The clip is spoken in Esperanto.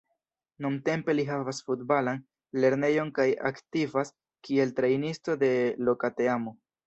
Nuntempe li havas futbalan lernejon kaj aktivas kiel trejnisto de loka teamo.